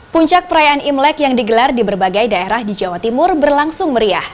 puncak perayaan imlek yang digelar di berbagai daerah di jawa timur berlangsung meriah